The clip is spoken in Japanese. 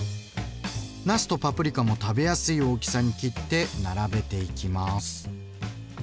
なすとパプリカも食べやすい大きさに切って並べていきます。